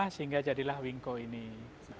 sehingga kita bisa membuatnya lebih baik